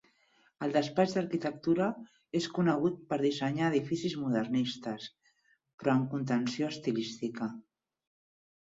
El despatx d'arquitectura és conegut per dissenyar edificis modernistes, però amb contenció estilística.